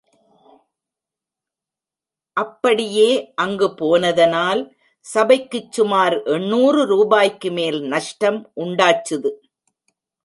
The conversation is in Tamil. அப்படியே அங்கு போனதனால் சபைக்குச் சுமார் எண்ணூறு ரூபாய்க்குமேல் நஷ்டம் உண்டாச் சுது.